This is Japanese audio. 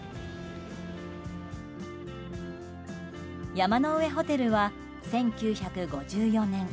山の上ホテルは１９５４年